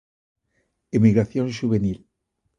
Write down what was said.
Emigración xuvenil.